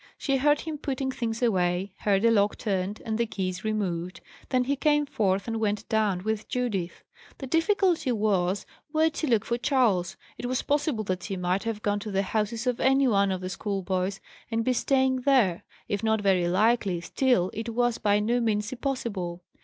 She heard him putting things away: heard a lock turned, and the keys removed. Then he came forth, and went down with Judith. The difficulty was, where to look for Charles. It was possible that he might have gone to the houses of any one of the schoolboys, and be staying there: if not very likely, still it was by no means impossible.